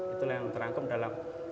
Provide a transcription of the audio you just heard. itu yang terangkum dalam